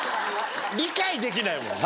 理解できないもんな。